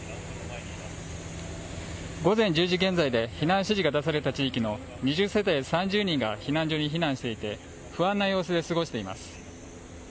午前１０時現在で避難指示が出された地域の２０世帯３０人が避難所に避難していて、不安な様子で過ごしています。